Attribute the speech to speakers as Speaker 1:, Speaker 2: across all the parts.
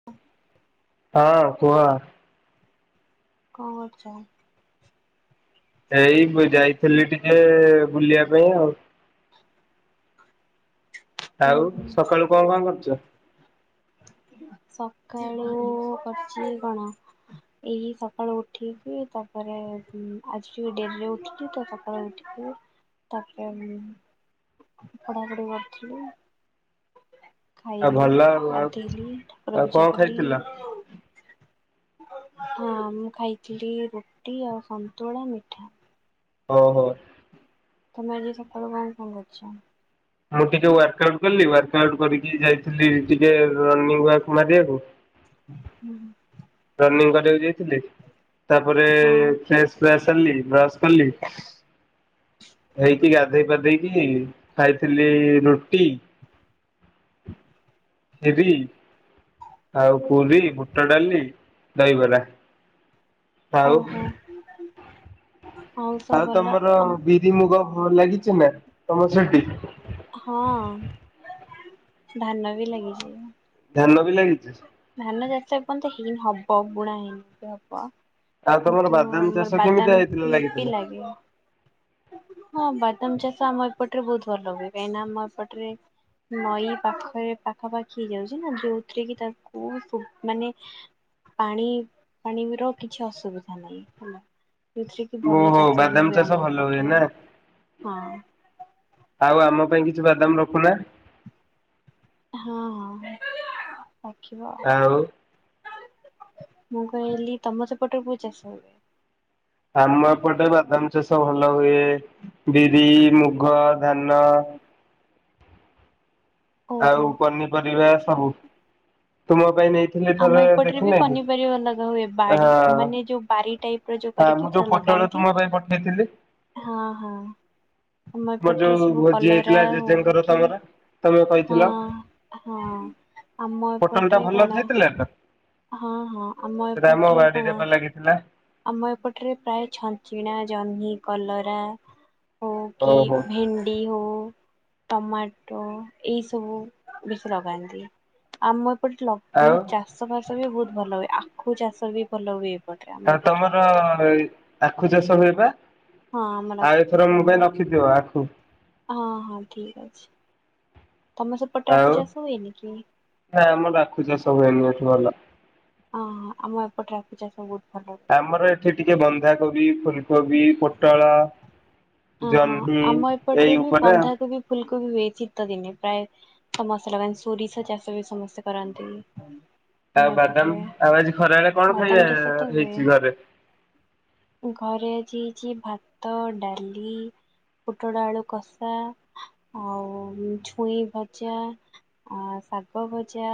Speaker 1: [unintelligible]
Speaker 2: ହଁ କୁହ।
Speaker 1: କଣ କରୁଚ?
Speaker 2: ଏଇ ପୁ ଯାଇଥିଲି ଟିକେ ବୁଲିବା ପାଇଁ ଆଉ।
Speaker 1: ହୁଁ
Speaker 2: ଆଉ
Speaker 1: ହୁଁ।
Speaker 2: ସକାଳୁ କଣ କଣ କରୁଛ?
Speaker 1: ସକାଳୁ କରୁଚି କଣ। ଏଇ ସକାଳୁ ଉଠିକି ତାପରେ ଆଜି ଟିକେ ଡେରିରେ ଉଠିଲି ତ ସକାଳୁ ଉଠିକି। ତାପେରେ ମୁଁ ପଢାପଢି କରୁଥିଲି।
Speaker 2: ଆଉ
Speaker 1: ଖାଇଲି
Speaker 2: ଭଲ ଆଉ ଆଉ
Speaker 1: ଗାଧେଇଲି ଠାକୁର
Speaker 2: ଆଉ କଣ
Speaker 1: ପୂଜା କଲି।
Speaker 2: ଖାଇଥିଲ?
Speaker 1: ହଁ ମୁଁ ଖାଇଥିଲି ରୁଟି ଆଉ ସନ୍ତୁଳା ମିଠା।
Speaker 2: ହଉ ହଉ।
Speaker 1: ତମେ ଆଜି ସକାଳୁ କଣ କଣ କରିଛ?
Speaker 2: ମୁଁ ଟିକେ ୱାର୍କ ଆଉଟ୍ କଲି ୱାର୍କ ଆଉଟ୍ କରିକି ଯାଇଥିଲି ଟିକେ ରନିଙ୍ଗ ୱାକ ମାରିବାକୁ।
Speaker 1: ହୁଁ।
Speaker 2: ରନିଂ କରିବାକୁ ଯାଇଥିଲି ତାପରେ
Speaker 1: ହଁ
Speaker 2: ଫ୍ରେସ ଫୁଆସ ହେଲି ବ୍ରସ କଲି। ହେଇକି ଗାଧେଇ ପାଧେଇକି ଖାଇଥିଲି ରୁଟି।
Speaker 1: [unintelligible]
Speaker 2: ଯିବି। ଆଉ ପୁରୀ ବୁଟ ଡାଲି ଦହିବରା। ଆଉ
Speaker 1: ଓହୋ। ସବୁ
Speaker 2: ଆଉ
Speaker 1: ଭଲ
Speaker 2: ତମର ବିରି ମୁଗ ଭଲ ଲାଗିଛି ନା ତମର ସେଠି?
Speaker 1: ହଁ ଧାନ ବି ଲାଗିଛି।
Speaker 2: ଧାନ ବି ଲାଗିଛି?
Speaker 1: ଧାନ ଚାଷ ଏପନ୍ତ ହେଇନି ହବ ବୁଣା ହେଇନି ହବ।
Speaker 2: ଆଉ ତମର
Speaker 1: କିନ୍ତୁ
Speaker 2: ବାଦାମ
Speaker 1: ମୋର
Speaker 2: ଚାଷ କେମିତିଆ
Speaker 1: ବାଦାମ
Speaker 2: ହେଇଥିଲା
Speaker 1: ବି
Speaker 2: ଲାଗିଥିଲା?
Speaker 1: ଲାଗେ। ହଁ ବାଦାମ ଚାଷ ଆମ ଏପଟରେ ବହୁତ ଭଲ ହୁଏ କାହିଁନା ଆମ ଏପଟରେ ନଈ ପାଖରେ ପାଖାପାଖି ହେଇଯାଉଛି ନା ଯୋଉଥିରେ କି ତାକୁ ମାନେ ପାଣି ପାଣିର କିଛି ଅସୁବିଧା ନାହିଁ ହେଲା। ଯେଉଥିରେ କି ଭଲ
Speaker 2: ଓହୋ
Speaker 1: ଚାଷ ବି
Speaker 2: ବାଦାମ
Speaker 1: ହୁଏ
Speaker 2: ଚାଷ
Speaker 1: ଆମର
Speaker 2: ଭଲ ହୁଏ
Speaker 1: ଏପଟେ
Speaker 2: ନା
Speaker 1: ହଁ।
Speaker 2: ଆଉ ଆମ ପାଇଁ କିଛି ବାଦାମ ରଖୁନାହାନ୍ତି?
Speaker 1: ହଁ ହଁ ଅଛି ବା।
Speaker 2: ଆଉ
Speaker 1: ମୁଁ କହିଲି ତମ ସେପଟେ କୋଉଁ ଚାଷ ହୁଏ?
Speaker 2: ଆମ ଏପଟେ ବାଦାମ ଚାଷ ଭଲ ହୁଏ ବିରି, ମୁଗ, ଧାନ
Speaker 1: ଓହୋ।
Speaker 2: ଆଉ ପନିପରିବା ସବୁ ତୁମ ପାଇଁ ନେଇଥି
Speaker 1: ଆମ ଏପଟରେ ବି ପନିପରିବା ଲଗା ହୁଏ
Speaker 2: ହଁ
Speaker 1: ବାଡି ମାନେ ଯୋଉ ବାରି ଟାଇପ ର ଯୋଉ
Speaker 2: ହଁ
Speaker 1: କରିକି
Speaker 2: ମୁଁ ଯୋଉ
Speaker 1: ପୁରା
Speaker 2: ପୋଟଳ
Speaker 1: ଲଗାନ୍ତି।
Speaker 2: ତୁମ ପାଇଁ ପଠେଇଥିଲି?
Speaker 1: ହଁ ହଁ। ଆମ
Speaker 2: ମୋର
Speaker 1: ଏପଟରେ
Speaker 2: ଯୋଉ
Speaker 1: ସବୁ
Speaker 2: ଭୋଜି
Speaker 1: କଲୋରା
Speaker 2: ହେଇଥିଲା ଜେଜେଙ୍କର
Speaker 1: [inaudible] କି।
Speaker 2: ତମର ତମେ
Speaker 1: ହଁ
Speaker 2: କହିଥିଲ।
Speaker 1: ହଁ ଆମ
Speaker 2: ପୋଟଳ ଟା
Speaker 1: ଏପଟରେ
Speaker 2: ଭଲ
Speaker 1: କଣ
Speaker 2: ହେଇଥିଲା ତ
Speaker 1: ହଁ ହଁ ଆମ ଏପଟରେ କଣ?
Speaker 2: ହେଲା
Speaker 1: ଆମ ଏପଟରେ ପ୍ରାୟ ଛଞ୍ଚିଣା ଜହ୍ନି କଲରା ହ କି
Speaker 2: ଓହୋ
Speaker 1: ଭେଣ୍ଡି ହଉ। ଟମାଟୋ ଏଇ ସବୁ ବେଶୀ ଲଗାନ୍ତି ଆମ ଏପଟେ
Speaker 2: ଆଉ
Speaker 1: ବହୁତ ଚାଷ ବାସ ବି ବହୁତ ଭଲ ହୁଏ ଆଖୁ ଚାଷ ବି ଭଲ ହୁଏ। ଏପଟରେ ଆମ
Speaker 2: ଆ
Speaker 1: ଏପଟରେ।
Speaker 2: ତମର ଆଖୁ ଚାଷ ହୁଏବା
Speaker 1: ହଁ ଆମର ଆଖୁ
Speaker 2: ଆଉ
Speaker 1: ଚାଷ
Speaker 2: ଏଥର ମୁଁ ପାଇଁ
Speaker 1: ହୁଏ
Speaker 2: ରଖି ଥିବ ଆଖୁ।
Speaker 1: ହଁ ହଁ ଠିକ୍ ଅଛି ତମେ ସେପଟେ ଆଖୁ ଚାଷ ହୁଏନି କି?
Speaker 2: ଇ ଆମର ଆଖୁ ଚାଷ ହୁଏନି ଏଠି ଭଲ।
Speaker 1: ହଁ ଆମ ଏପଟେ ଆଖୁ ଚାଷ ବହୁତ ଭଲ।
Speaker 2: ଆମର ଏଠି ଟିକେ ବନ୍ଧାକୋବି ଫୁଲକୋବି ପୋଟଳ
Speaker 1: ଓହୋ
Speaker 2: ଜହ୍ନି
Speaker 1: ଆମ
Speaker 2: ଏଇ
Speaker 1: ଏପଟରେ ବି
Speaker 2: ଉପରେ
Speaker 1: ବନ୍ଧାକୋବି ଫୁଲକୋବି ହୁଏ ଶୀତ ଦିନେ ପ୍ରାୟ ସମସ୍ତେ ଲଗାନ୍ତି ସୋରିଷ ଚାଷ ବି ସମସ୍ତେ କରନ୍ତି।
Speaker 2: ଆଉ
Speaker 1: ଆମ ଏପଟରେ
Speaker 2: ବାଦାମ ଆଉ ଆଜି ଖରା ବେଳେ କଣ ଖାଇବା
Speaker 1: ବାଦାମ ଚାଷ ତ ହୁଏ।
Speaker 2: ହେଇଛି ଘରେ।
Speaker 1: ଘରେ ଆଜି ହେଇଛି ଭାତ ଡାଲି। ପୁଟଳ ଆଳୁ କଷା ଆଉ ଛୁଇଁ ଭଜା। ଆ ଶାଗ ଭଜା।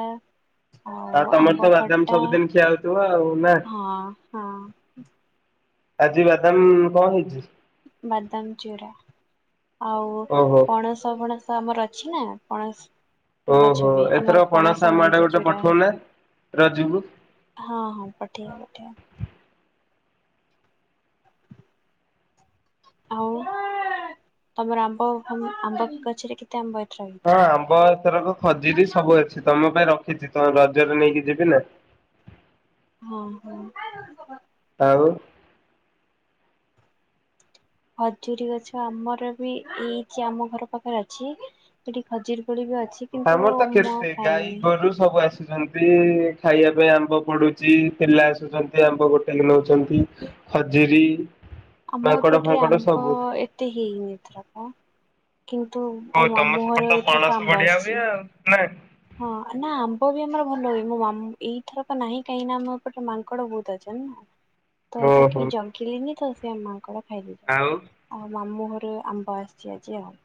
Speaker 1: ଆଉ
Speaker 2: ତମର ତ
Speaker 1: ଆମ୍ବ
Speaker 2: ବାଦାମ
Speaker 1: ଖଟା,
Speaker 2: ସବୁଦିନ ଖିଆ ହଉଥିବ ଆଉ ନା
Speaker 1: ହଁ ହଁ।
Speaker 2: ଆଜି ବାଦାମ କଣ ହେଇଛି?
Speaker 1: ବାଦାମ ଚୁରା, ଆଉ
Speaker 2: ଓହୋ
Speaker 1: ପଣସ ପଣସ ତ ଆମର ଅଛି ନା ଆପଣ ମୁ
Speaker 2: ଓହୋ
Speaker 1: ଗଛ ବି,
Speaker 2: ଏଥର
Speaker 1: ଆମର ପଣସ
Speaker 2: ଆମ ଆଡେ
Speaker 1: ମଞ୍ଜି
Speaker 2: ଗୋଟେ
Speaker 1: ଚୁରା
Speaker 2: ପଠଉନା ରଜକୁ।
Speaker 1: ହଁ ହଁ, ପଠେଇବ ପଠେଇବ। ଆଉ, ତମର ଆମ୍ବ ଆମ୍ବ ଗଛରେ କେ [inaudible]
Speaker 2: ହଁ ଆମ୍ବ ଏଥରକ ଖଜୁରୀ ସବୁ ଅଛି। ତମ ପାଇଁ ରଖିଛି ତ ରଜରେ ନେଇକି ଯିବି ନା।
Speaker 1: ହଁ ହଁ।
Speaker 2: ଆଉ।
Speaker 1: ଖଜୁରୀ ଗଛ ଆମର ବି, ଏଇ ଆମ ଘର ପାଖରେ ଅଛି। ସେଠି ଖଜୁରି କୋଳି ବି ଅଛି। କିନ୍ତୁ
Speaker 2: ଆମର ତ
Speaker 1: ମୁଁ
Speaker 2: କେତେ ଗାଈ
Speaker 1: ଖାଇନି।
Speaker 2: ଗୋରୁ ସବୁ ଆସୁଛନ୍ତି। ଖାଇବା ପାଇଁ ଆମ୍ବ ପଡୁଛି, ପିଲା ଆସୁଛନ୍ତି ଆମ୍ବ ଗୋଟେଇକି ନଉଛନ୍ତି। ଖଜୁରୀ।
Speaker 1: ଆମ ଏପଟରେ ଆମ୍ବ ଏତେ ହେଇନି ଏଥରକ। କିନ୍ତୁ,
Speaker 2: ଓ
Speaker 1: ମୋ ମାମୁଁ ଘର ଏଥର ଆମ୍ବ ଆସିଛି।
Speaker 2: ନାହିଁ।
Speaker 1: ହଁ ନା, ଆମ୍ବ ବି ଆମର ଭଲ ହୁଏ ମୋ ମାମୁ ଏଇଥରକ ନାହିଁ, କାହିଁକି ନା ଆମ ପଟେ ମାଙ୍କଡ ବହୁତ ଅଛନ୍ତି ନା।
Speaker 2: [inaudible]
Speaker 1: ତ ସେଠି ଜାଗିଲେନି ତ ସେ ମାଙ୍କଡ ଖାଇଲି।
Speaker 2: ଆଉ।
Speaker 1: ଆଉ ମାମୁ ଘରୁ ଆମ୍ବ ଆସିଛି ଆଜି ଆଉ।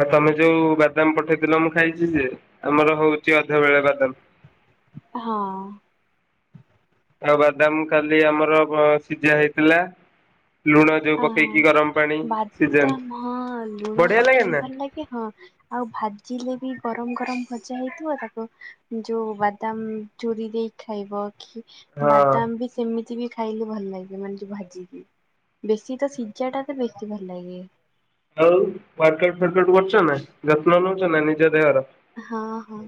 Speaker 2: ଆଉ ତମେ ଯୋଉ ବାଦାମ ପଠେଇଥିଲ ମୁଁ ଖାଇଛି ଯେ। ଆମର ହଉଛି ଅଧ ବେଳେ ବାଦାମ।
Speaker 1: ହଁ।
Speaker 2: ଆଉ ବାଦାମ କାଲି ଆମର ସିଝା ହେଇଥିଲା। ଲୁଣ ଯୋଉ
Speaker 1: ଅ ହଁ
Speaker 2: ପକେଇକି ଗରମ ପାଣି ସିଜନ୍ତି,
Speaker 1: ବାଦାମ
Speaker 2: ବଢିଆ ଲାଗେ ନା।
Speaker 1: କି ହଁ। ଆଉ ଭାଜିଲେ ବି ଗରମ ଗରମ ଭଜା ହେଇଥିବ। ତାକୁ ଯୋଉ ବାଦାମ ଚୁରି ଦେଇକି ଖାଇବ, କି
Speaker 2: ହଁ।
Speaker 1: ବାଦାମ ବି ସେମିତି ବି ଖାଇଲେ ଭଲ ଲାଗିବ। ମାନେ ଯ ଭାଜିକି ବେଶୀ ତ ସିଝା ଟା ତ ବେଶୀ ଭଲ ଲାଗେ।
Speaker 2: ଆଉ ୱାର୍କାଉଟ କରୁଛ ନା। ଯତ୍ନ ନଉଛ ନା ନିଜ ଦେହର।
Speaker 1: ହଁ ହଁ।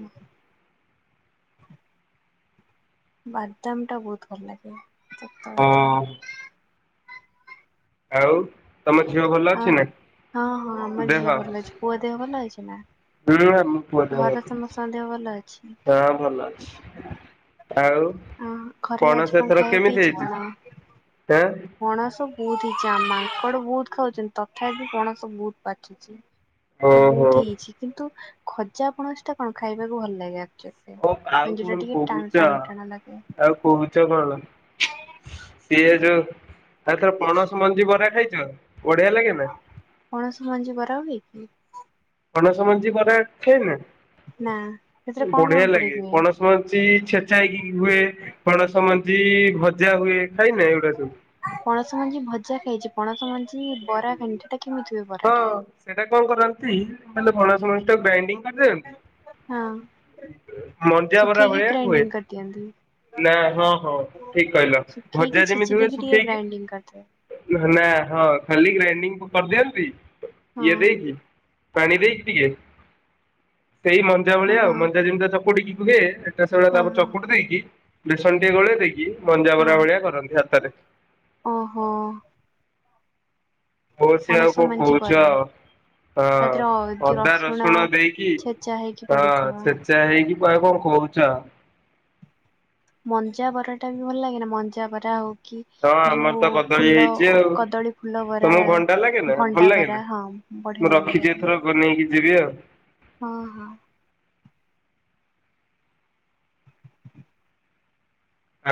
Speaker 1: ବାଦାମ ଟା ବହୁତ ଭଲ ଲାଗେ ସତ। କଥା
Speaker 2: ହଁ ଆଉ, ତମ ଝିଅ ଭଲ
Speaker 1: ଆ
Speaker 2: ଅଛି ନା।
Speaker 1: ହଁ ହଁ ଆମ
Speaker 2: ଦେହ
Speaker 1: ଝିଅ ଭଲ ଅଛି ପୁଅ ଦେହ ଭଲ ହେଇଛି ନା।
Speaker 2: [inaudible] ହୁମ ପୁ ହଁ
Speaker 1: ଘର ସମସ୍ତଙ୍କ ଦେହ ଭଲ ଅଛି
Speaker 2: ଭଲ ଅଛି। ଆଉ,
Speaker 1: ଅ ଘରେ ଆଜି
Speaker 2: ପଣସ
Speaker 1: କଣ
Speaker 2: ଏଥର
Speaker 1: ଖାଇବାକୁ
Speaker 2: କେମିତି ହେଇଛି।
Speaker 1: କଣ?
Speaker 2: ହେଁ
Speaker 1: ପଣସ ବହୁତ ହେଇଛି, ଆମ ମାଙ୍କଡ ବହୁତ ଖାଉଛନ୍ତି ତଥାପି ପଣସ ବହୁତ ପାଚୁଛି।
Speaker 2: ଓହୋ।
Speaker 1: ବହୁତ ହେଇଛି, କିନ୍ତୁ ଖଜା ପଣସ ଟା କଣ ଖାଇବାକୁ ଭଲ ଲାଗେ ଆକଚୁଲି। ଇଏ
Speaker 2: ଓ ଆଉ
Speaker 1: ମାନେ
Speaker 2: କଣ
Speaker 1: ଯୋଉଟା ଟିକେ ଟାଣ
Speaker 2: କହୁଛ
Speaker 1: ଟାଣ ଟାଣା ଲାଗେ।
Speaker 2: ଆଉ କହୁଚ କଣ? ସିଏ ଯୋଉ ଆଉ ଥରେ ପଣସ ମଞ୍ଜି ବରା ଖାଇଚ ବଢ଼ିଆ ଲାଗେନି ନା।
Speaker 1: ପଣସ ମଞ୍ଜିିବରା ହୁଏ କି?
Speaker 2: ପଣସ ମଞ୍ଜି ବରା ଖାଇନ
Speaker 1: ନା ସେଥିରେ କଣ କଣ
Speaker 2: ବଢ଼ିଆ ଲାଗେ।
Speaker 1: ପଡିକି ହୁଏ?
Speaker 2: ପଣସ ମଞ୍ଜି ଛେଚା ହେଇକି ହୁଏ। ପଣସ ମଞ୍ଜି ଭଜା ହୁଏ। ଖାଇନ ଏଉଡା ସବୁ।
Speaker 1: ପଣସ ମଞ୍ଜି ଭଜା ଖାଇଚି। ପଣସ ମଞ୍ଜି ବରା ଖାଇନି। ସେଟା କେମିତି ହୁଏ।
Speaker 2: ହଁ
Speaker 1: ବରାଟା?
Speaker 2: ସେଇଟା କଣ କରନ୍ତି ମାନେ ପଣସ ମଞ୍ଜିଟାକୁ ଗ୍ରାଇଣ୍ଡିଙ୍ଗ କରିଦିଅନ୍ତି।
Speaker 1: ହଁ
Speaker 2: ମଞ୍ଜିଆ ବରା
Speaker 1: ଶୁଖେଇକି
Speaker 2: ଭଳିଆ ହୁଏ।
Speaker 1: ଗ୍ରାଇଣ୍ଡିଙ୍ଗ କରିଦିଅନ୍ତି।
Speaker 2: ନାଁ ହଁ ହଁ ଠିକ୍ କହିଲ
Speaker 1: ଶୁଖେଇକି
Speaker 2: ଭଜା
Speaker 1: ଛେଚି
Speaker 2: ଯେମିତି ହୁଏ
Speaker 1: ଦେଇକି ଟିକେ
Speaker 2: ଶୁଖେଇକି।
Speaker 1: ଗ୍ରାଇଣ୍ଡିଙ୍ଗ କରିଦେବେ
Speaker 2: ନାଁ ହଁ ଖାଲି ଗ୍ରାଇଣ୍ଡିଙ୍ଗ କରିଦିଅନ୍ତି।
Speaker 1: ହଁ
Speaker 2: ଇଏ ଦେଇକି ପାଣି ଦେଇକି ଟିକେ ସେଇ ମନ୍ ମଞ୍ଜା
Speaker 1: ହଁ
Speaker 2: ଭଳିଆ ଆଉ
Speaker 1: ହଁ
Speaker 2: ମଞ୍ଜା ଯେମିତି ଚକୁଟିକି ହୁଏ। ଏଟା ସେହିଭଳିଆ
Speaker 1: ହଁ
Speaker 2: ତାପରେ
Speaker 1: ହଁ।
Speaker 2: ଚକୁଟି ଦେଇକି ବେସନ ଟିକେ ଗୋଳେଇ ଦେଇକି
Speaker 1: ହଁ
Speaker 2: ମଞ୍ଜାବରା ଭଳିଆ କରନ୍ତି ହାତରେ।
Speaker 1: ଓହୋ
Speaker 2: ମାଉସୀ ଆଉ
Speaker 1: ପଣସ
Speaker 2: କଣ
Speaker 1: ମଞ୍ଜି
Speaker 2: କହୁଚ?
Speaker 1: ବରା
Speaker 2: ହଁ
Speaker 1: ତା ଦେହରେ ଯୋଉ
Speaker 2: ଅଦା ରସୁଣ ଦେଇକି
Speaker 1: ଛେଚା ହେଇକି
Speaker 2: ହଁ
Speaker 1: ପଡିଥିବ।
Speaker 2: ଛେଚ୍ ଏଟା ହେଇକି କୁଆଡ଼େ କଣ କହୁଚ?
Speaker 1: ମଞ୍ଜା ବରାଟା ବି ଭଲ ଲାଗେନା। ମଞ୍ଜା ବରା ଆଉ କି
Speaker 2: ହଁ ଆମର
Speaker 1: ଯୋଉ
Speaker 2: ତ କଦଳୀ
Speaker 1: ଫୁଲ
Speaker 2: ହେଇଛି ଆଉ।
Speaker 1: କଦଳୀ ଫୁଲ ବରା
Speaker 2: ତମକୁ ଭଣ୍ଡା ଲାଗେ ନା ଭଲ
Speaker 1: ଭଣ୍ଡା
Speaker 2: ଲାଗେ ନା
Speaker 1: ବରା ହଁ। ବଢିଆ
Speaker 2: ମୁଁ
Speaker 1: ଲାଗେ
Speaker 2: ରଖିଛି
Speaker 1: ଏଟା
Speaker 2: ଏଥର ବନେଇକି ଯିବି ଆଉ।
Speaker 1: ହଁ ହଁ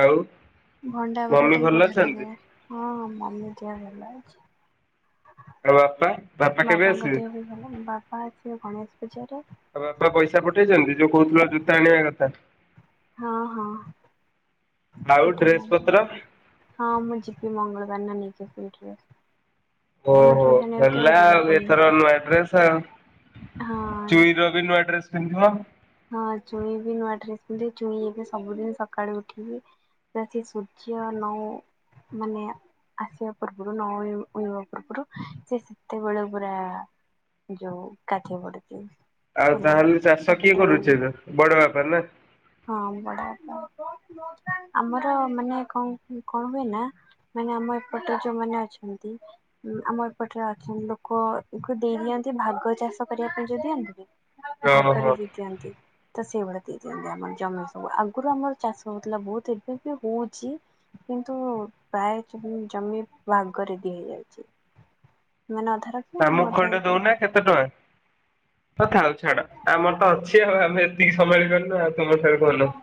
Speaker 2: ଆଉ
Speaker 1: ଭଣ୍ଡା
Speaker 2: ମମି
Speaker 1: ବରାଟା ବି
Speaker 2: ଭଲ
Speaker 1: ବଢ଼ିଆ
Speaker 2: ଅଛନ୍ତି
Speaker 1: ଲାଗେ। ହଁ ମମି ଦେହ ଭଲ ଅଛି।
Speaker 2: ଆଉ ବାପା ବାପା କେବେ
Speaker 1: ବାପାଙ୍କ
Speaker 2: ଆସିବେ?
Speaker 1: ଦେହ ବି ଭଲ ବାପା ଆସିବେ ଗଣେଶ ପୂଜାରେ।
Speaker 2: ଆଉ ବାପା ପଇସା ପଠେଇଚନ୍ତି ଯୋଉ କହୁଥିଲ ଜୋତା ଆଣିବା କଥା।
Speaker 1: ହଁ ହଁ
Speaker 2: ଆଉ ଡ୍ରେସ
Speaker 1: ପଠେଇଚନ୍ତି।
Speaker 2: ପତ୍ର
Speaker 1: ହଁ ମୁଁ ଯିବି ମଙ୍ଗଳବାର ନାନୀ [unintelligible]
Speaker 2: ଓହୋ ହେଲା
Speaker 1: ଯିବ
Speaker 2: ଆଉ
Speaker 1: ପୁଣି
Speaker 2: ଏଥର ନୂଆ ଡ୍ରେସ୍ ଆଉ
Speaker 1: ହଁ
Speaker 2: ଚୁଇଁର ଏବେ ନୂଆ ଡ୍ରେସ୍ ପିନ୍ଧିବ।
Speaker 1: ହଁ ଚୁଇଁ ବି ନୂଆ ଡ୍ରେସ ପିନ୍ଧିବି ଚୁଇଁ ଏବେ ସବୁଦିନ ସଖାଳେ ଉଠିକି ତା ଠି ସୂର୍ଯ୍ୟ ନୋଉ ମାନେ ଆସିବା ପୂର୍ବରୁ ନୋଉ ନୋଉନୁ ପୂର୍ବରୁ ସେ ସେତେବେଳେ ପୁରା ଯୋଉ ଗାଧେଇ ପଡୁଚି।
Speaker 2: ଆଉ ତାହେଲେ ଚାଷ କିଏ କରୁଚେ ତ ବଡ଼ବାପା ନା।
Speaker 1: ହଁ ବଡ଼ବାପା ଆମର ମାନେ କଣ କଣ ହୁଏ ନା। ମାନେ ଆମ ଏପଟେ ଯୋଉ ମାନେ ଅଛନ୍ତି। ଆମ ଏପଟରେ ଅଛନ୍ତି ଲୋକଙ୍କୁ ଦେଇ ଦିଅନ୍ତି ଭାଗ ଚାଷ କରିବା ପାଇଁ ଯୋଉ ଦିଅନ୍ତି ନି। ଭାଗରେ
Speaker 2: ଓହୋ।
Speaker 1: ବି ଦିଅନ୍ତି। ତ ସେଇଭଳିଆ ଦେଇ ଦିଅନ୍ତି ଆମର ଜମି ସବୁ ଆଗରୁ ଆମର ଚାଷ ହଉଥିଲା ବହୁତ ଏବେ ବି ହଉଚି। କିନ୍ତୁ ପ୍ରାୟ ଜମି ଭାଗରେ ଦିଆଯାଉଛି। ମାନେ ଆଧାର
Speaker 2: ଆମକୁ ଏଇଟା ଦଉନା କେତେ ଟଙ୍କା। କଥା ଆଉ ଛାଡ ଆମର ତ ଅଛି ଆଉ ଆମେ ଏତିକି ସମ୍ଭାଳି ପାରୁନୁ ଆଉ ତମ [unintelligible]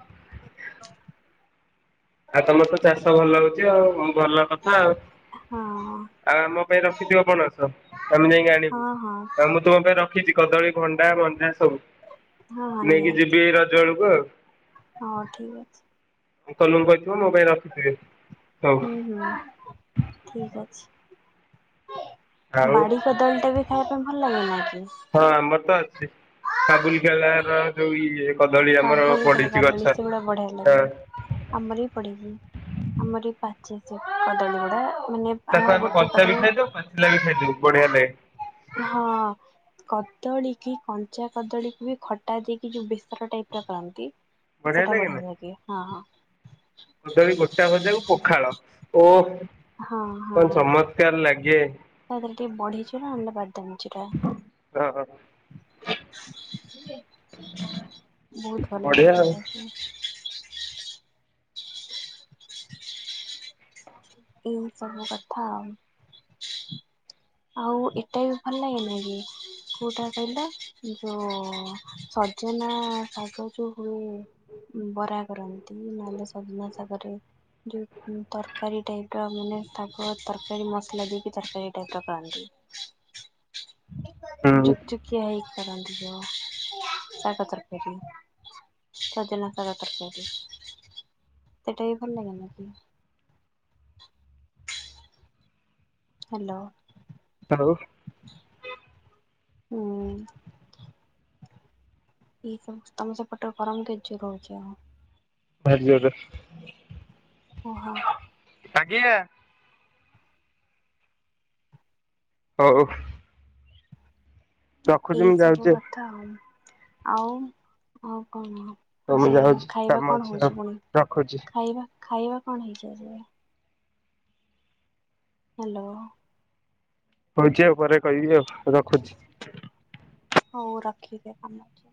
Speaker 2: ଆଉ ତମର ତ ଚାଷ ଭଲ ହଉଛି ଆଉ ଭଲ କଥା ଆଉ।
Speaker 1: ହଁ।
Speaker 2: ଆଉ ଆମ ପାଇଁ ରଖିଥିବ ପଣସ ଆମେ ଯାଇକି ଆଣିବୁ
Speaker 1: ହଁ ହଁ
Speaker 2: ଆ ତମ ପାଇଁ ରଖିଛି କଦଳୀ ଭଣ୍ଡା ମଞ୍ଜା ସବୁ
Speaker 1: ହଁ ହଁ
Speaker 2: ନେଇକି ଯିବି ଏଇ ରଜ ବେଳକୁ ଆଉ।
Speaker 1: ହଁ ଠିକ୍ ଅଛି।
Speaker 2: ଅଙ୍କଲ ଙ୍କୁ କହିଥିବ ମୋ ପାଇଁ ରଖିଥିବେ। ସବୁ
Speaker 1: ହୁଁ ହୁଁ ଠିକ ଅଛି।
Speaker 2: ଆଉ
Speaker 1: ବାଡିି କଦଳିଟା ବି ଖାଇବା ପାଇଁ ଭଲ ଲାଗେନା କି?
Speaker 2: ହଁ ଆମର ତ ଅଛି କାବୁଲ ଖେଲାର ଯୋଉ ଇଏ କ ଦଳି ଆମର
Speaker 1: କାବୁଲି ଚଣା
Speaker 2: ପଡିଛି
Speaker 1: କଦଳୀ
Speaker 2: ଗଛ
Speaker 1: ସେଗୁଡା ବଢିଆ
Speaker 2: ହଁ
Speaker 1: ଲାଗେ ଆମର ବି ପଡିଛି ଆମର ବି ପାଚିଚି ସେ କଦଳୀ ଗୁଡା ମାନେ ଆମର ଗୋଟିଏ କଦଳୀ
Speaker 2: ପିଲା ବି ଖାଇଦବୁ ବଢିଆଲେ
Speaker 1: ହଁ। କଦଳୀ କି କଞ୍ଚା କଦଳୀକୁ ବି ଖଟା ଦେଇକି ଯୋଉ ବେସର ଟାଇପ ର କରନ୍ତି। ସେଇଟା ବଢିଆ ଲାଗେ ହଁ ହଁ।
Speaker 2: କଦଳୀ ଗୋଟା ଭଜାକୁ ପଖାଳ ଓ
Speaker 1: ହଁ ହଁ।
Speaker 2: କଣ ଚମ ତ୍କାର ଲାଗେ?
Speaker 1: ତା ଧିଅରେ ଟିକେ ବଢି ଚୁରା ନହେଲେ ବାଦାମ ଚୁରା।
Speaker 2: ହ ହ।
Speaker 1: ବହୁତ ଭଲ ଲାଗୁଛି ଏଇଟା ଏଇ ସବୁ କଥା ଆଉ ଏଟା ବି ଭଲ ଲାଗେନା କି କୋଉଟା କହିଲ ଯୋଉ ସଜନା ଶାଗ ଯୋଉ ହୁଏ ବରା କରନ୍ତି ନଲେ ସଜନା ଶାଗରେ ଯୋଉ ତରକାରୀ ଟାଇପ ର ମାନେ ଶାଗ ତରକାରୀ ମସଲା ଦେଇକି ତରକାରୀ ଟାଇପ ର କରନ୍ତି ଜୁକଜୁକ।
Speaker 2: ହୁଁ
Speaker 1: [unintelligible] ହେଇକି ଯୋଉ କରନ୍ତି ଶାଗ ତରକାରି। ସଜନା ଶାଗ ତରକାରୀ ସେଟା ବି ଭଲ ଲାଗେ ନା। ହ୍ୟାଲୋ।
Speaker 2: [unintelligible]
Speaker 1: ହୁଁ। ଏ ସବ ତମସା ପଟରେ ଗରମ କେ ଜ ରହୁଛି ଆ
Speaker 2: [unintelligible]
Speaker 1: ଓହୋ।
Speaker 2: ଆଜ୍ଞା। ହଉ। ରଖୁଛି
Speaker 1: ଏଇ
Speaker 2: ମୁଁ
Speaker 1: ସବୁ
Speaker 2: ଯାଉଛି
Speaker 1: କଥା ଆଉ ଆଉ ହଉ କଣ
Speaker 2: ଆଉ ମୁଁ
Speaker 1: ଆଜି
Speaker 2: ଯାଉଛି କାମ
Speaker 1: ଖାଇବା
Speaker 2: ଅଛି
Speaker 1: କଣ
Speaker 2: ଆଉ।
Speaker 1: ହଉଛି ପୁଣି
Speaker 2: ରଖୁଛି
Speaker 1: ଖାଇବା ଖାଇବା କଣ ହେଇଛି ଆଜି? ହ୍ୟାଲୋ।
Speaker 2: କହୁଛି ଆଉ ପରେ କହିବି ଆଉ ରଖୁଛି।
Speaker 1: ହଉ ରଖିଦିଅ କାମ ଅଛି।